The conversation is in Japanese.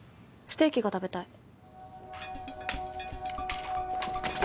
ステーキが食べたい。